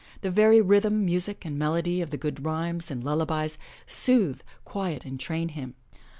The very rhythm, music and melody of the good rhymes and lullabies soothe, quiet and train him.